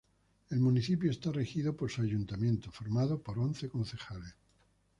El municipio está regido por su ayuntamiento, formado por once concejales.